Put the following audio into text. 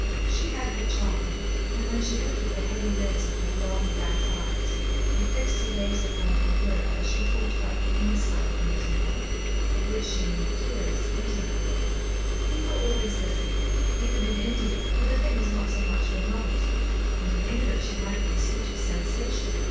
She had her charm, and when she lifted the heavy lids of her long black eyes and fixed her gaze upon her hearer as she talked about the inner side of native life, of which she knew such curious, intimate things, people always listened, even in India, where the thing was not so much of a novelty, and in England she might be a sort of sensation.